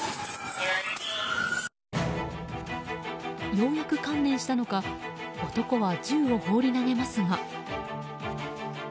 ようやく観念したのか男は銃を放り投げますが。